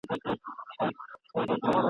د بوډۍ ټال به مي په سترګو کي وي !.